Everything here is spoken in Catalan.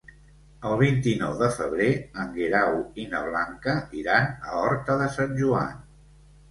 El vint-i-nou de febrer en Guerau i na Blanca iran a Horta de Sant Joan.